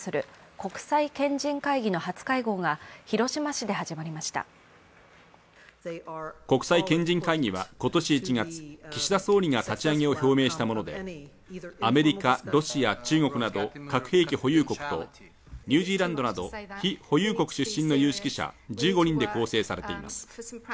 国際賢人会議は今年１月、岸田総理が立ち上げを表明したものでアメリカ、ロシア、中国など核兵器保有国とニュージーランドなど非保有国出身の有識者１５人で構成されています。